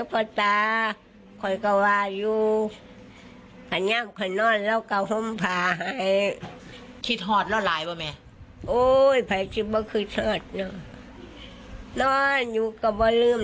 โหทราบสึกคำตาลายเลย